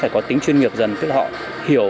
chuyên nghiệp dần tức họ hiểu